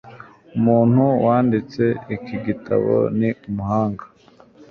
Umuntu wanditse iki gitabo ni umuganga.